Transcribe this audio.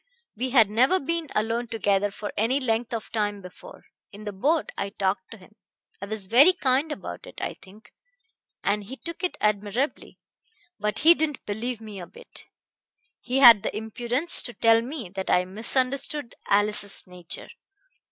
We had never been alone together for any length of time before. In the boat I talked to him. I was very kind about it, I think, and he took it admirably, but he didn't believe me a bit. He had the impudence to tell me that I misunderstood Alice's nature.